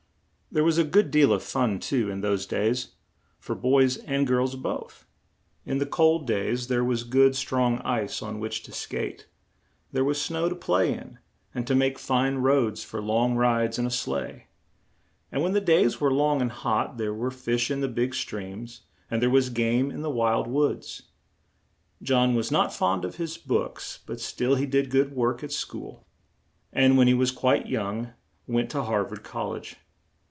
There was a good deal of fun, too, in those days, for boys and girls both; in the cold days there was good, strong ice on which to skate; there was snow to play in, and to make fine roads for long rides in a sleigh; and, when the days were long and hot, there were fish in the big streams, and there was game in the wild woods. John was not fond of his books, but still he did good work at school; and when he was quite young went to Har vard Col lege.